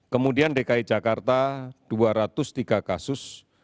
kemudian dki jakarta dua ratus tiga kasus